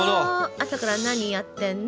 朝から何やってんの？